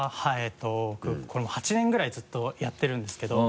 僕これもう８年ぐらいずっとやってるんですけど。